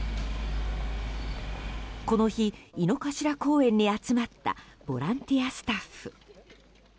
この日、井の頭公園に集まったボランティアスタッフ。